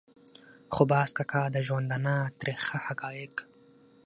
خو باز کاکا د ژوندانه ترخه حقایق.